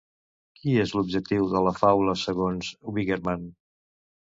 Quin és l'objectiu de la faula segons Wiggerman?